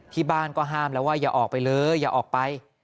ที่บ้านก็ห้ามแล้วว่าอย่าออกไปเลยอย่าออกไป